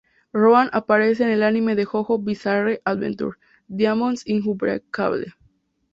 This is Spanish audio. Rohan aparece en el anime de JoJo's Bizarre Adventure: Diamond Is Unbreakable.